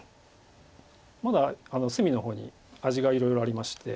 まだ隅の方に味がいろいろありまして。